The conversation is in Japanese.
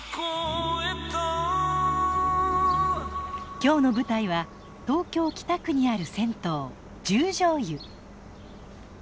今日の舞台は東京・北区にある銭湯十條湯。